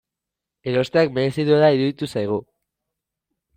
Erosteak merezi duela iruditu zaigu.